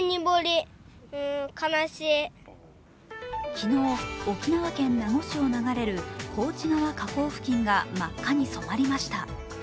昨日、沖縄県名護市を流れる幸地川河口付近が真っ赤に染まりました。